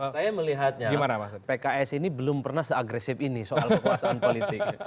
saya melihatnya pks ini belum pernah seagresif ini soal kekuasaan politik